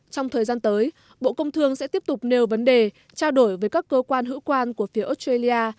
trong thời gian tới bộ công thương sẽ tiếp tục nêu vấn đề trao đổi với các cơ quan hữu quan của phía australia